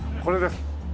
これです。